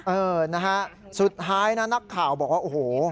เออนะฮะสุดท้ายนะนักข่าวบอกว่าโอ้โห